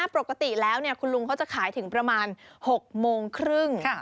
ปกติแล้วคุณลุงเขาจะขายถึงประมาณ๖โมงครึ่ง